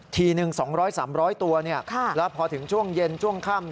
ทีหนึ่ง๒๐๐๓๐๐ตัวแล้วพอถึงช่วงเย็นช่วงค่ำ